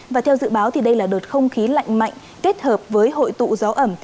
và theo dự báo đây là đợt không khí lạnh mạnh kết hợp với hội tụ gió ẩm